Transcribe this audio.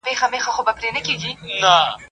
د جېب نه و باسه پيسې، ورباندي وخوره پتاسې.